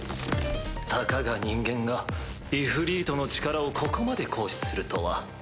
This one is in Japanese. たかが人間がイフリートの力をここまで行使するとは。